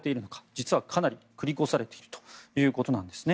実はかなり繰り越されているということなんですね。